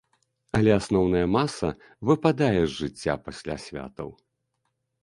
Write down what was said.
Але асноўная маса выпадае з жыцця пасля святаў.